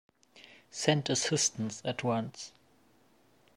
Send assistance at once.